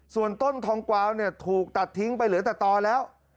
ส่วนต้นทองกวาวถูกตัดทิ้งไปเหลือแต่ต่อแล้ว